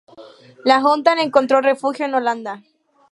Lahontan encontró refugio en Holanda.